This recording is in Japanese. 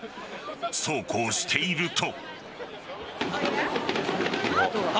そうこうしていると。